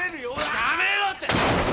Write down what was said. やめろって！